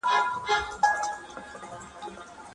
آیا ملي ګټې تر شخصي ګټو مهمي دي؟